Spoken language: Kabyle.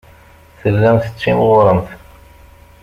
Tellamt tettimɣuremt.